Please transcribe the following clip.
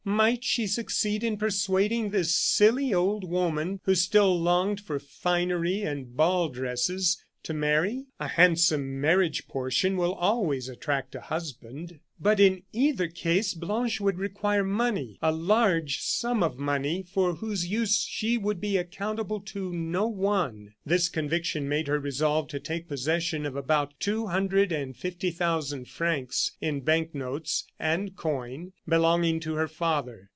Might she succeed in persuading this silly old woman, who still longed for finery and ball dresses, to marry? A handsome marriage portion will always attract a husband. But, in either case, Blanche would require money a large sum of money, for whose use she would be accountable to no one. This conviction made her resolve to take possession of about two hundred and fifty thousand francs, in bank notes and coin, belonging to her father.